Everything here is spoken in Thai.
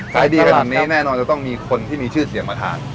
ขายดีขนาดนี้แน่นอนจะต้องมีคนที่มีชื่อเสียงมาทาน